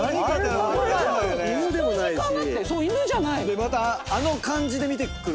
でまたあの感じで見てくる。